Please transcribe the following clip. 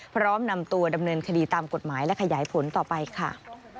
พร้อมนำตัวดำเนินคดีตามกฎหมายและขยายผลต่อไปค่ะ